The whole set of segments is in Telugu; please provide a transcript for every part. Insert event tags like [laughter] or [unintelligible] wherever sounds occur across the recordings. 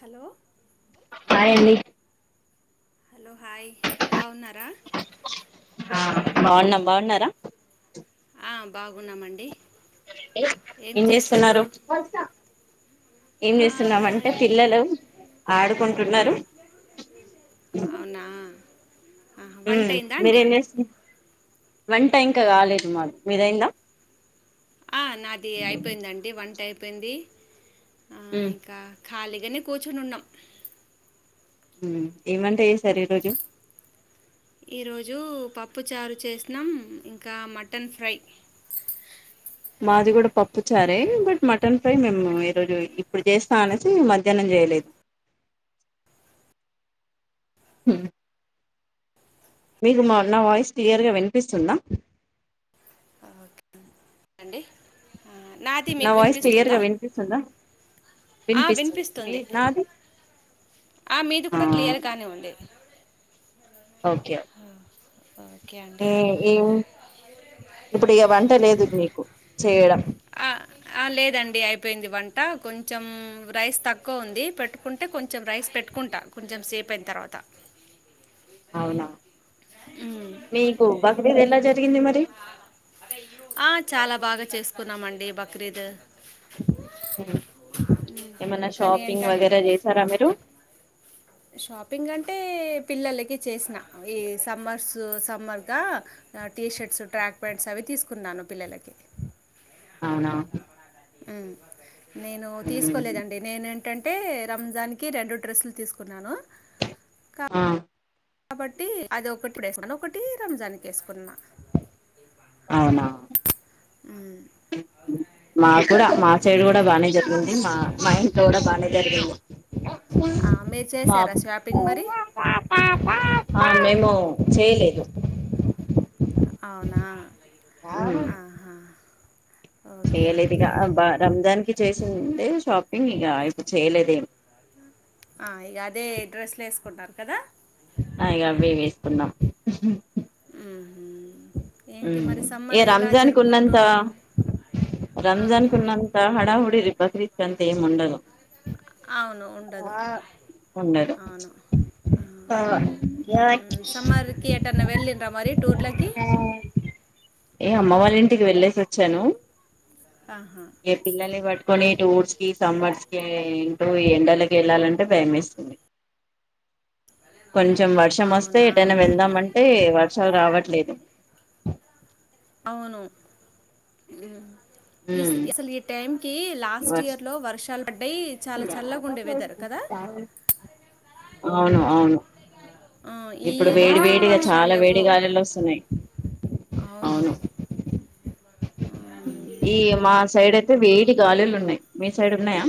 హలో బాయండి. హలో హాయ్ బావున్నారా. బావున్నాం బావున్నారా. ఆ బాగున్నామండి. ఏం చేస్సున్నారు. ఏం ఆ, చేస్సున్నామంటే పిల్లలు ఆ ఆడుకుంటున్నారు అవునా ఆ, హు వంట అయిందా అండి మీరేం చేస్సు వంట ఇంకా కాలేదు మాది మీదైందా ఆ నాది అయిపోయిందండి వంటైయ్ ఏంది. ఉ ఖాళీగనే కూర్చొని ఉన్నాం ఏం వంట చేస్తూ సరే రోజు ఈరోజు పప్పు చారు చేసినం ఇంకా మటన్ ఫ్రై మాది కూడా పప్పు చారే బట్ మటన్ ఫ్రై మేము ఈరోజు ఇప్పుడు చేస్తా అనేసి మధ్యాహ్నం చేయలేదు హు మీకు మా నా వాయిస్ క్లియర్గా వినిపిస్తుందా అండి నాది నా మీకు వాయిస్ క్లియర్ వినిపిస్తుందా గా వినిపిస్తుందా ఆ మీ వినిపిస్తుంది నాది ఆ మీది కూడా క్లియర్గానే ఉంది ఓకే ఓకే ఓకే ఊ అండి ఊ ఇప్పుడు ఇగ వంట లేదు మీకు చేయడం ఆ ఆ లేదండి అయిపోయింది వంట కొంచెం రైస్ తక్కువ ఉంది పెట్టుకుంటే కొంచెం రైస్ పెట్టుకుంటా కొంచెం సేపు అయిన తర్వాత అవునా ఉమ్. మీకు బక్రీద్ ఎలా జరిగింది మరి ఆ, చాలా బాగా చేస్త కున్నామండి బక్రీద్ ఉమ్. ఏమన్నా కానీ షాపింగ్ ఏంటంటే వగైరా చేసారా మీరు షాపింగ్ అంటే పిల్లలకి చేసిన ఈ సమ్మర్స్ సమ్మర్గా టీషర్ట్స్ ట్రాక్ ప్యాంట్స్ అవి తీసుకున్నాను పిల్లలకి అవునా ఉం నేను మ్మ్. తీసుకోలేదండి నేను అంటే రంజాన్ కి రెండు డ్రెస్సులు తీసుకు కొన్నాను ఆ కాబట్టి అది ఒకటి మకటి రంజాన్ వేసుకున్నా అవునా ఉమ్. మా కూడా మా సైడు కూడా బాగానే జరిగింది మా మా ఇంట్లో కూడా బాగానే జరిగింది ఆ, మీరు చేశారా షాపింగ్ మరి మేము చేయలేదు అవునా ఆహా ఓకే ఓకే ఏల్దికబ్బా రంజాన్కి చేసింటే షాపింగ్ ఇక ఇప్పుడు చేయలేదేం ఆ ఇక అదే డ్రెస్లు వేసుకున్నారు కదా అగబయ వేసుకున్నాం ఉహుం. ఏంటి మరి ఏ సమ్మర్ ఎలా రంజాన్ కు ఉన్నంత జరుపుకుంటారు ఆ, రంజాన్ కు ఉన్నంత హడావుడి అ బక్రీద్ అంటేముండదు అవును ఉండదు ఉండదు అవును ఉమ్ సమ్మర్కి ఏటన్నా వెళ్ళండరా మరి టూర్లకి ఏ అమ్మ వాళ్ళ ఇంటికి వెళ్ళేసి వచ్చాను ఆహా ఏ పిల్లే పట్టుకొని ఊట్స్ కి సమ్మర్స్ క ఏంటో ఎండలకి వెళ్ళాలంటే భయమేస్తుంది కొంచెం వర్షం వస్తే అవునా ఎటైనా వెళ్దామ అంటే వర్షాలు రావట్ లేదు అవును ఉమ్ అసలు ఈ టైం కి లాస్ట్ వర్ష ఇయర్ లో వర్షాలు పడ్డాయి చాలా చల్లగా ఉండే వెదర్ కదా అవును అవును ఆ, ఈ ఇప్పుడు ఇయరే వేడి అస్సలు వేడిగా వర్షాలు చాలా లేవు వేడి గాలులో వస్తున్నాయి అవును ఈ మా సైడ్ అయితే వేడి గాలులు ఉన్నాయి మీ సైడ్ ఉన్నాయా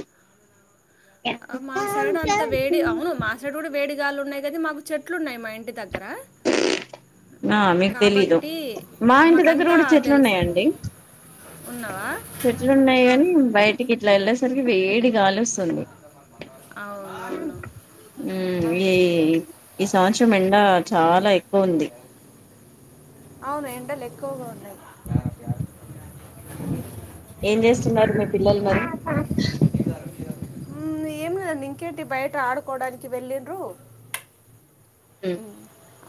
ఆ మా సైడ్ అంత వేడి అవును మా సైడ్ కూడా వేడి ఉన్నాయిదది మాకు చెట్లు ఉన్నాయి మా ఇంటి దగ్గర ఆ మీకు తెలీదు కాబట్టి మా ఇంటి దగ్గర మాకంతా కూడా తెలుస్తుంది చెట్లున్నాయంండి ఉన్నావా చెట్లు ఉన్నాయి ఆ, గాని బయటికి ఇట్లా ఎలిస్ తరిగి వేడి గాలిలుస్తుంది అవును అవును ఉమ్ ఆహా. ఈ ఈ సంవత్సరం ఎండా చాలా ఎక్ ఉంది అవును ఎండలు ఎక్కువగా ఉన్నాయి ఏం చేస్తున్నారు మీ పిల్లలు మరి హమ్ ఏమి ఇంకేటి బయట ఆడుకోవడానికి వెళ్ళండ్రు ఉమ్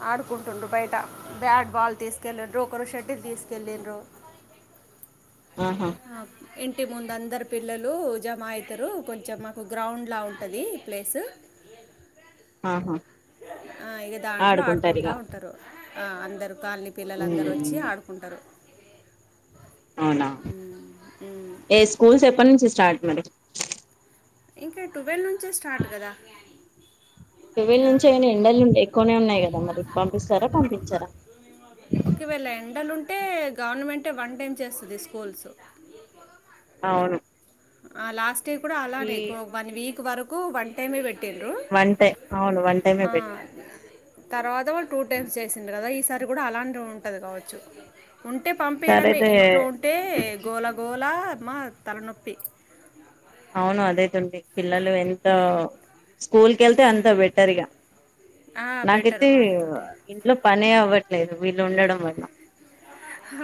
ఆడుకుంటుండ్రు బయట బ్యాట్ బాల్ తీసుకెళ్ళను్రో ఒకరు షటిల్ తీసుకెళ్ళండ్రో ఆహా ఇంటి ముందు అందరు పిల్లలు జమ అయితారు కొంచెం మాకు గ్రౌండ్లా ఉంటుంది ప్లేస్ ఆహా ఆ ఇగ దాంట్లో ఆడుకుంటారు ఆడుకుంటా ఇక ఉంటారు ఆ అందరు కాలనీ పిల్లలందరూ వచ్చి ఉమ్ ఆడుకుంటారు అవునా ఉమ్, ఉమ్. ఏ స్కూల్స్ ఎప్పటి నుంచి స్టార్ట్ మరి ఇంకా ట్వెల్వ్ నుంచే స్టార్ట్ కదా ట్వీవల్ ఆ, నుంచి అయినా ఎండలు ఎక్కువనే ఉన్నాయి కదా మరి పంపిస్తారా పంపించారా టే గవర్నమెంటే వన్ టైం చేస్తది స్కూల్స్ అవును ఆ లాస్ట్ కూటి ఈ అలానే వన్ వీక్ కు వరకు వన్ టైమే పెట్ ట్టిండ్రు వన్ టై అవును వన్ టైమే ఆ పెట్టారు తరవాత టూ టైమ్స్ చేసిండ్రు కద ఈ సారి కూడా అలాంటి రో ఉంటది కావచ్చు ఉంటే పంపిడమే సరైతే ఇంట్లో ఉంటే గోల గోల మా తలనొప్పి అవును అదే తొండి పిల్లలు ఎంత స్కూల్ కెళ్తే హ్మ్ అంత బెటర్గా ఆ బెటరు నాకైతే వాళ్ళతోటి ఇంట్లో పని అవ్వట్ లేదు వీళ్ళు ఉండడం వల్ల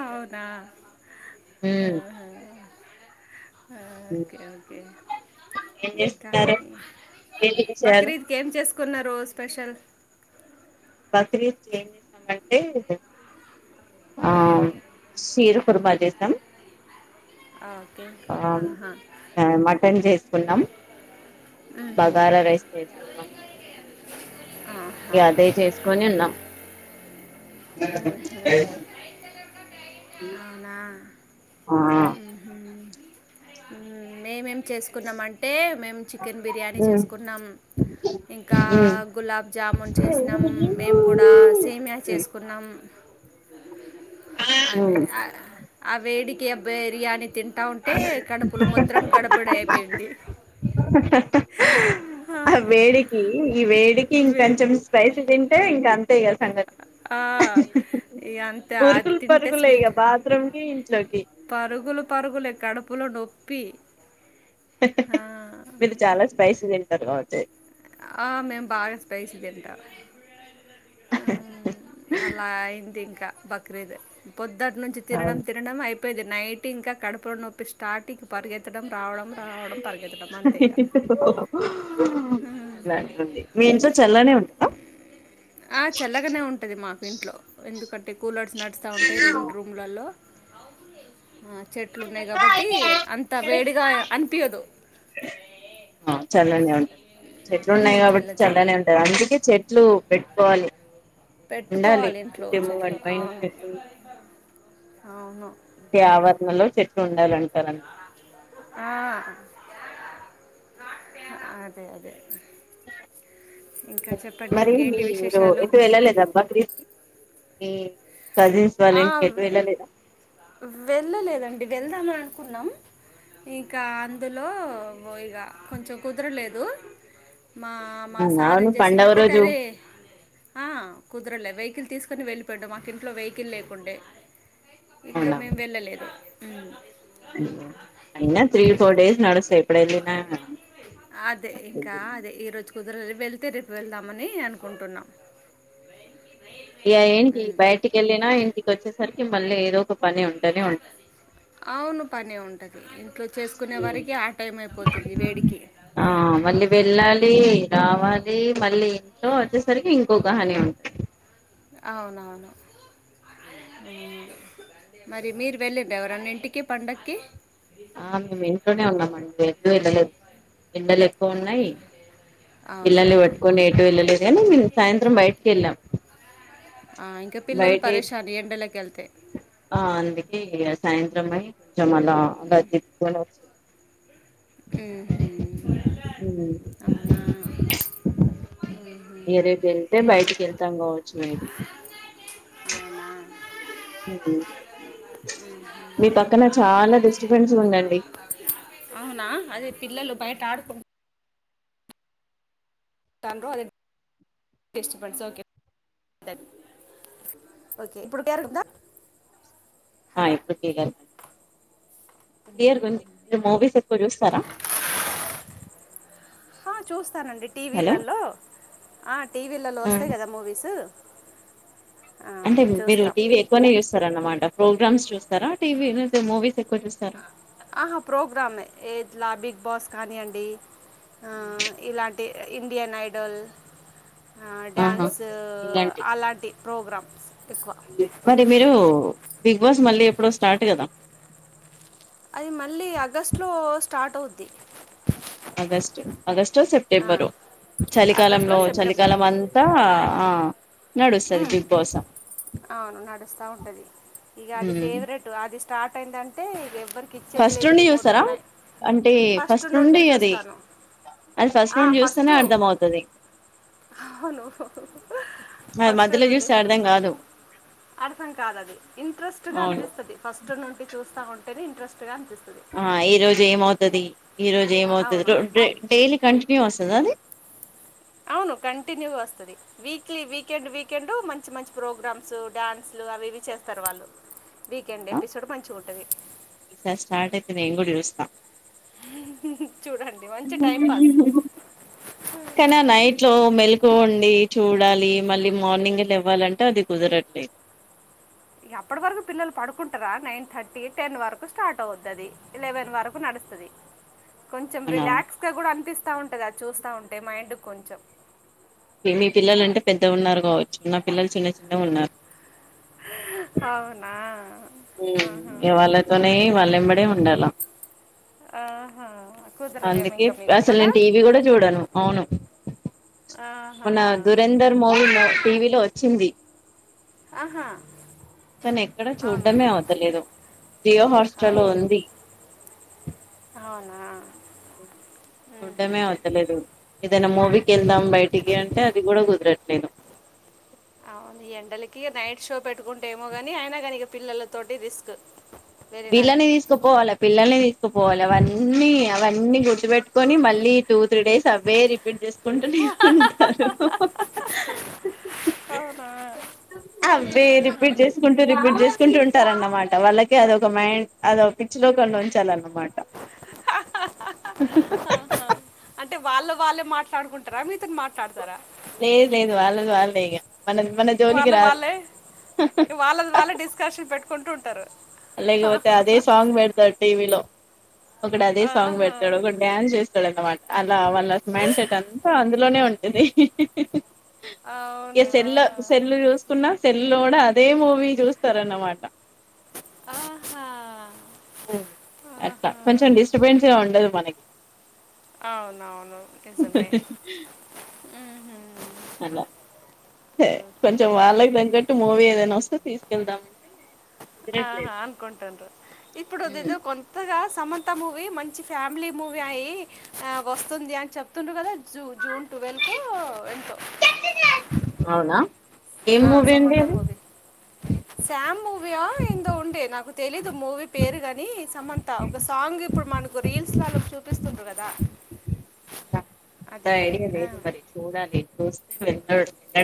అవునా ఉమ్ ఆహా ఓకే ఓకే ఏం ఇంకా చేస్తున్నారు ఏంటి విషయాలు బక్రీద్కి ఏం చేసుకున్నారు స్పెషల్ బక్రీద్ చే ఏం చేసినామంటే ఆ అవును చీరు కురుబ చేస్తాం చి ఓకే ఆ ఆహా ఆ మటన్ చేసుకున్నాం మ్మ్హ్మ్. బగారా రైస్ చేసుకున్నాం ఆహా గ్యాదే చేసుకొని ఉన్నాం ఆ ఆ మేమేం చేసుకున్నామంటే మేము చికెన్ బిర్యానీ ఉమ్ చేసుకున్నాం ఇంకా ఉమ్ గులాబ్ జామున్ చేసినమ్ మేముకూడ సేమియా చేసు నం అరే ఉమ్ ఆ ఆ వేడికి బిర్యానీ తింటా ఉంటే కడుపులో మొత్తం గడబిడ అయిపోయింది ఆ వేడికి ఈ వేడికి వేడి ఇంకొంచెం స్పైసీ తింటే ఇంకా అంతే గా సంగతి ఆ, ఇక అంతే అది ఉరుకులు తింటే పరుగులేయిగా స్వీట్ బాత్రూమ్ కి ఇంట్లోకి పరుగులు పరుగులే కడుపు కడుపులో నొప్పి ఆ. మీరు చాలా స్పైసి తింట తింటారు ఆచే ఆ మేము బాగా స్పైసి తింటారు అలా అయింది ఇంకా బక్రీదే పొద్దు దాట్టి నుంచి తినడం అవును తినడం ఐ ది నైట్ ఇంకా కడుపులో నొప్పి స్టార్టింగ్ పరిగెత్తడం రావడం రావడం పరిగెత్తడం అంతే ఇక అలాగ ఉంది మీ ఇంట్లో చల్లనే ఉంటదా ఆ చల్లగానే ఉంటది మాకు ఇంట్లో లో ఎందుకంటే కూలర్స్ నడుస్తా ఉంటే రెండు రూమ్లల్లో అవునులే ఆ చెట్లు ఉన్నాయి కాబట్టి అంత వేడిగా అనిపియదు ఆ చల్లనే ఉంటది చెట్లు ఉన్నాయి కాబట్టి చల్లనే ఉంటయి అందుకే చెట్ చెట్లు పెట్టుకోవాలి ఉండాలి పెట్టుకోవాలి ఇంట్లో ఇంటి చెట్లు ముంగట అవును అవును ఇ ఆవరణంలో చె ఉండాలంటారు అంతే ఆ అదే అదే ఇంకా చెప్పండి మరి ఇంకేంటి మీరు విశేషాలు ఎటు వెళ్ళలేదా బక్రీద్ ఏ కజిన్స్ వాళ్ళు ఆ ఇంటికి ఎటూ వెళ్ళలేదా వెళ్ళలేదండి వెళ్దామ అనుకున్నాం ఇంకా అందులో ఇక కొంచెం కుదరలేదు మా మా సార్ ఏం అవును పండగ చేసారంటే రోజు తరే ఆ కుదరలేదు వెయికిల్ తీసుకుని వెళ్ళిపోడు మాకు ఇంట్లో వెయికిల్ లేకుండే ఇంకా అవునా మేం వెళ్ళలేదు ఉమ్, ఆ అదే ఇంకా అదే ఈ రోజు కుదర వెళ్తే రేపు వెళ్దామని అనుకుంటున్నాం ఇయ ఏంటి ఉమ్, బయటికి వెళ్ళినా ఇంటికి వచ్చేసరికి మళ్ళీ ఏదో ఒక పని ఉంటేనే ఉంటుంది అవును పని ఉంటది ఇంట్లో చేసుకునే వరికి ఆ టైం అయిపోతుంది వేడికి ఆ మళ్ళీ వెళ్ళాలి రావాలి మళ్ళీ ఇంట్లో వచ్చేసరికి ఇంకోక హాని ఉంటుంది అవునవును అ మరి మీరు వెళ్ళింరా ఎవరన్న ఇంటికి పండగకి ఆ మేము ఇంట్లోనే ఉన్నాం అండి ఎటు వెళ్ళలేదు ఎండలు ఎక్కువ ఉన్నాయి అవును పిల్లల్ని పట్టుకొని ఎటు వెళ్లలేదు లా సాయంత్రం బయటికి వెళ్ళాం ఆ ఇంకా పిల్లలు బయట పరేశాన్ ఎండలకి ఎల్ ళ్తే ఆ అందుకే సాయింత్రం పోయి ఓచ్చం అలా తిప్పుకొని ఉహు అవునా ఇగ రేపు వెళ్తే బయటికి వెళ్తాం కావచ్చు మేబి అవునా మీ పక్కన చాలా డిస్టర్బెన్స్గుండందీ అవునా అదే పిల్లలు బయట ఆడుకుం [unintelligible] ఆ ఎప్పుడు దిగాను క్లియర్ గుంది మీరు మూవీస్ ఎక్కుచూస్తారా హా చూస్ స్తానండి టీవీల్లలో ఆ టీవీలలో వస్తాయ్ గదా మూవీస్ అంటే మీరు చూస్తాం టీవీ ఎక్కువనే చూస్తారు అన్నమాట ప్రోగ్రామ్స్ చూస్తారా టీవీ [unintelligible] ను మూవీస్ ఎక్కువ చూస్తారా ఆహా ప్రోగ్రామ్మే ఇట్లా బిగ్ బాస్ కానీయండి ఆ ఇలాంటి ఇ ఇండియన్ ఐడల్ ఆ ఆహా డ్యాన్స్ అలాంటి ప్రోగ్రామ్స్ ఎక్కువ ఎక్కడ మీరు బిగ్ బాస్ మళ్ళీ ఎప్పుడో స్టార్ట్ గదా అది మళ్ళీ ఆగస్ట్ లో స్టార్ట్ అవుతు ది అగస్ట్ అగస్ ర్చో ఆ, సెప్టెంబరొ ఆగస్టు చలికాలంలో చలికాలం అంతా ఆ ఉ నడుస్తది బిగ్ బాస్ అవును నడుస్తా ఉంటది ఇగా అది మ్మ్ ఫేవరెట్ వాది స్టార్ట్ అయిందంటే ఇ గేమ్ ఎవర్కీ ఫస్ట్ ఇచ్చేదిలేదు నుండి రిమోట్ చూస్తారా ఉన్నాయి ఫస్ట్ నుండి చూస్తాను అది ఫస్ట్ ఆ నుండి చూస్తేనే ఫస్టు అర్థం అవుతది అవును అది ఫస్ట్ మధ్యలో నుండి చూస్తే అర్థం చూస్తాం కాదు అర్థం కాదది ఇంట్రెస్ట్ గా అవును అనిపిస్తది ఫస్ట్ నుండి చూస్తా ఉం ఇంట్రెస్ట్ గా అనిపి ఆ ఈరోజు ఏమౌతది ఈరోజు ఏమోతది అవును డే డైలీ కం వస్తద అది ఆవును కంటిన్యూగా వస్తది, వీక్లీ వీకెండ్ వీకెండ్ మంచి మంచి ప్రోగ్రామ్స్ డ్యాన్స్లు అవి ఇవి చేస్తారు వాళ్ళు వీకెండ్ అవునా ఎపిసోడ్ మం టది ఈసారి స్టార్ట్ అయితే నేం గూడా చూస్తా చూడండి మంచి టైం పాస్ కనా నైట్ లో మెల్ కనుకోండి చూడాలి మళ్ళీ మార్నింగే లెవ్వాలంటే అది కుదరట్లే అప్పటి వరకు పిల్లలు పడుకుంటారా నైన్ థర్టీ టెన్ వరకు స్టార్ట్ అవుతది ఎలెవెన్ వరకు నడుస్తది కొంచెం అవునా రిలాక్స్ గా గూడా అనిపిస్ తా ఉంటది ఆది చూస్తా ఉంటే మా మైండు కు కొంచం మీ పిల్లలు అంటే పెద్దగ ఉన్నారు కావచ్చు నా పిల్లలు చిన్న చిన్నగా ఉన్నారు అవునా హ్మ్ ఆహా. హు ఇగ వాళ్ళతోనే వాళ్ళంబడే ఉన్ ఉండాల ఆహా కుదరదేమో అందుకే ఇంకా మీకు అసలు కదా నేను టీ వీ గూడ చూడాను అవును ఆహా మొన దురేందర్ మూవీలో టీ వీ లో వ చ్చింది ఆహా స్సల్ నేను ఎక్కడా అవునా చూడ్డమే అవుతలేదు జియో హోస్టర్లో అవును ఉంది అవునా మ్మ్ చూడ్డమే మ్మ్హ్మ్. అవుతలేదు ఏదైనా మూవీ కెల్దం బయటికి అంటే అది కూడా కుదరట్లేదు అవును ఎండలకి నైట్ షో పెట్టుకుంటే ఏమో గాని అయినా గాని ఇగ పిల్లలతోటి రిస్క్ వెళ్ళినా పిల్లని కానీ తీసుకుపోవాలా పిల్లల్ని తీ స్కపోవాలి అవన్నీ అవన్నీ గుర్తుపెట్టుకొని మళ్ళీ టూ త్రీ డేస్ అవే రిపీట్ చెస్ కొంటునే ఉంటారు అవునా అవే రిపీట్ చేసుకుంటూ రిపీట్ చేసుకుంటూ అంటారన్న మాట వాళ్ళకి అది ఒక మైండ్ అదొ పిచ్చిలోకంలో ఉంచాలన్నమాట ఆహా. అంటే వాళ్ళు వాళ్ళే మాట్లాడుకుంట్రా మీతోని మాట్లాడతారా లేదు లేదు వాళ్ళదు వాళ్ళ మేఘ [unintelligible] వాళ్ళ వాళ్ళే వాళ్ళది వాళ్ళే డిస్కషన్ పెట్టు కొంటుంటారు అల్గ వతే అదే సాంగ్ బేడతారు టీ విలో ఒకడు అదే సాంగ్ ఆహా. పెడతాడు ఒక డ్యాన్స్ వేస్తాడు అనమాట అలా వాళ్ళ మైండ్ సెట్ అంతా అందులోనే ఉంటది హె హె హె ఈ సెల్ల అవునా సెల్లు చూస్తుకున్నా సెల్లోడా అదే మూవీ చూస్తారన్నమాట ఆహా ఉమ్ అట్టా ఆహా! కొంచెం డిస్టర్బెన్స్గా ఉండదు మనకి అవునవును నిజమే ఊహు ఎలా హే ఓకే. కొంచెం ఓకే. వాళ్ళకి దగ్గట్టు మూవీ ఏదైనా వస్తే తీసుకెళ్దామంటే ఆహా కుదరట్లేదు అనుకుంటాన్రు ఇప్పుడదేదో కొంతగా ఇ సమంత మూవీ మంచి ఫ్యామిలీ మూవీ అయ్యి వస్తుంది అని చెప్తుండ్రు గదా జూ జూన్ టువెల్ కో ఎంతో అవునా ఏం ఆ మూవీ అండి సమంత అది మూవి సాము వ్యా ఏందో ఉండే నాకు తెలీదు మూవీ పేరుగాని సమంత ఒక సాంగ్ ఇప్పుడు మనకు రీల్స్ లో చూపిస్తుండ్రు గదా అంత ఏడిగ లేదు మరి చూడాలి చూస్తే వెల్తాడు వె